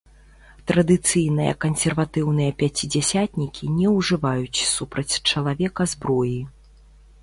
Традыцыйныя кансерватыўныя пяцідзясятнікі не ўжываюць супраць чалавека зброі.